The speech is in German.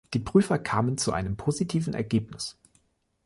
Die Prüfer kamen zu einem positiven Ergebnis.